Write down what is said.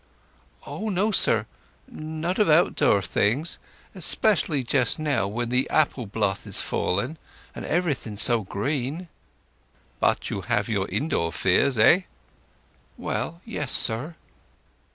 "Oh no, sir—not of outdoor things; especially just now when the apple blooth is falling, and everything is so green." "But you have your indoor fears—eh?" "Well—yes, sir."